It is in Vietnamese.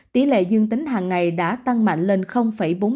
tỷ lệ dương tính hàng ngày đã tăng mạnh lên bốn mươi